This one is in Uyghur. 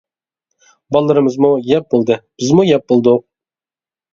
بالىلىرىمىزمۇ يەپ بولدى، بىزمۇ يەپ بولدۇق.